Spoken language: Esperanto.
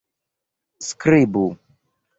skribu